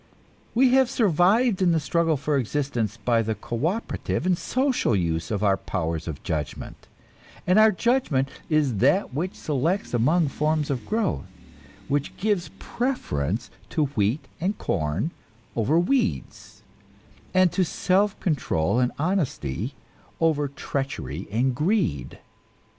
We have survived in the struggle for existence by the cooperative and social use of our powers of judgment; and our judgment is that which selects among forms of growth, which gives preference to wheat and corn over weeds, and to self control and honesty over treachery and greed.